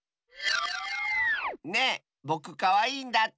ねえぼくかわいいんだって！